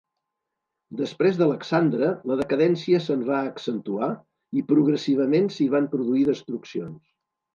Després d'Alexandre, la decadència se'n va accentuar i progressivament s'hi van produir destruccions.